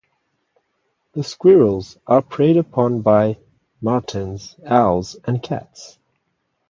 The squirrels are preyed upon by martens, owls, and cats.